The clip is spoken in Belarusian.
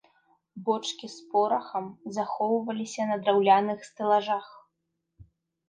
Бочкі з порахам захоўваліся на драўляных стэлажах.